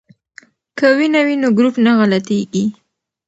که وینه وي نو ګروپ نه غلطیږي.